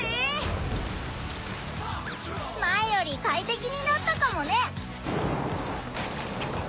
前より快適になったかもね。